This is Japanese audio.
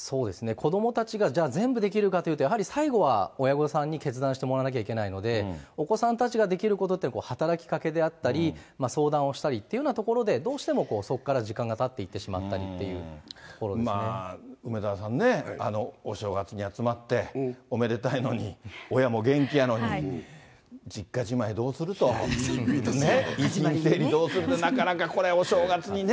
子どもたちがじゃあ、全部できるかというと、やはり最後は、親御さんに決断してもらわなければいけないので、お子さんたちができることっていうことは、働きかけであったり、相談をしたりっていうようなところで、どうしてもそこから時間がたっていってしまったりっていうところ梅沢さんね、お正月に集まって、おめでたいのに、親も元気やのに、実家じまいどうすると、遺品整理どうすると、なかなかこれ、お正月にね。